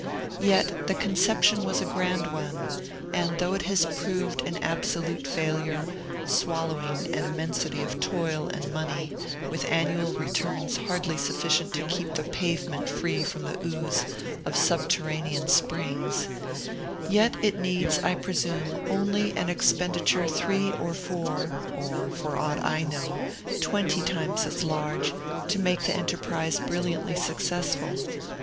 Yet the conception was a grand one; and though it has proved an absolute failure, swallowing an immensity of toil and money, with annual returns hardly sufficient to keep the pavement free from the ooze of subterranean springs, yet it needs, I presume, only an expenditure three or four (or, for aught I know, twenty) times as large, to make the enterprise brilliantly successful.